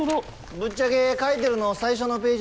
ぶっちゃけ書いてるの最初のページだけです。